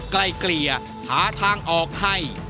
ไกลเกลี่ยหาทางออกให้